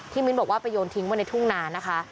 มิ้นบอกว่าไปโยนทิ้งไว้ในทุ่งนานะคะ